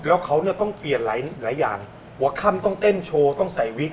แล้วเขาเนี่ยต้องเปลี่ยนหลายอย่างหัวค่ำต้องเต้นโชว์ต้องใส่วิก